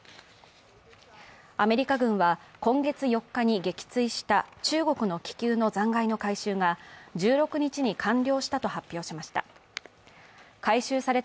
アメリカ軍は今月４日に撃墜した中国の気球の残骸の回収が１６日に完了したと発表しました。